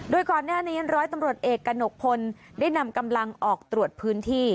โดยก่อนหน้านี้ร้อยตำรวจเอกกระหนกพลได้นำกำลังออกตรวจพื้นที่